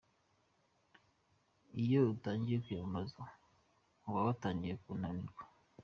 Iyo utangiya kwiyamamaza uba watangiye kunanirwa.